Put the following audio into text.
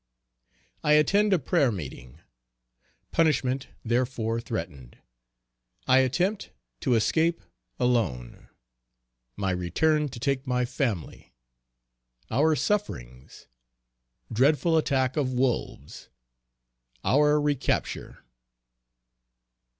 _I attend a prayer meeting. Punishment therefor threatened. I attempt to escape alone. My return to take my family. Our sufferings. Dreadful attack of wolves. Our recapture.